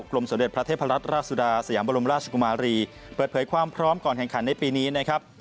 ลมสมเด็จพระเทพรัตนราชสุดาสยามบรมราชกุมารีเปิดเผยความพร้อมก่อนแข่งขันในปีนี้นะครับ